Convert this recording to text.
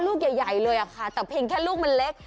ลูกใหญ่เลยค่ะแต่เพียงแค่ลูกมันเล็ก